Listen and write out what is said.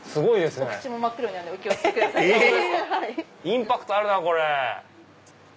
インパクトあるなぁ！